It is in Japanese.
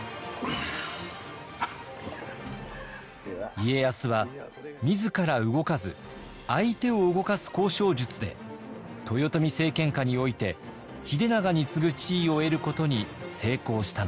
家康は自ら動かず相手を動かす交渉術で豊臣政権下において秀長に次ぐ地位を得ることに成功したのです。